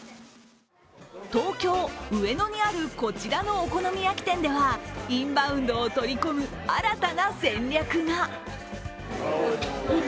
東京・上野にある、こちらのお好み焼き店ではインバウンドを取り込む新たな戦略が。